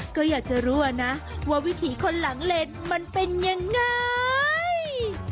ก็อยากจะรู้นะว่าวิถีคนหลังเลนมันเป็นยังไง